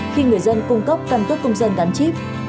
khi người dân cung cấp căn cước công dân gắn chip